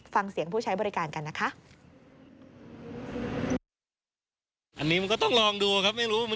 ฟังเสียงผู้ใช้บริการกันนะคะ